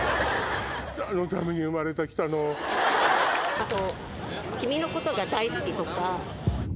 あと。